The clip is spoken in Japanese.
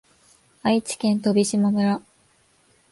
愛知県飛島村